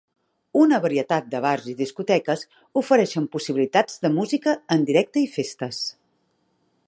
Una varietat de bars i discoteques ofereixen possibilitats de música en directe i festes.